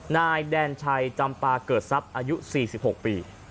นายแดนชัยจำปาเกิดทรัพย์อายุ๔๖ปี